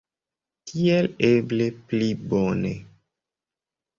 Tiel eble pli bone.